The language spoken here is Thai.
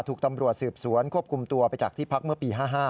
ถูกตำรวจสืบสวนควบคุมตัวไปจากที่พักเมื่อปี๕๕